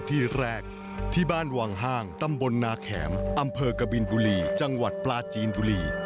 ที่แรกที่บ้านวังห้างตำบลนาแข็มอำเภอกบินบุรีจังหวัดปลาจีนบุรี